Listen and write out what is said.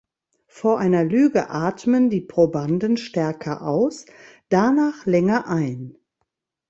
Vor einer Lüge atmen die Probanden stärker aus, danach länger ein.